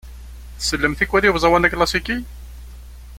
Tsellem tikwal i uẓawan aklasiki?